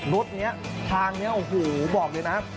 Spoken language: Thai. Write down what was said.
รถนี้ทางนี้โอ้โหบอกเลยนะ